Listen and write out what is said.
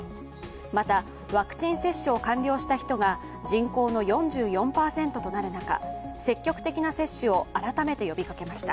また、ワクチン接種を完了した人が人口の４４％となる中積極的な接種を改めて呼びかけました。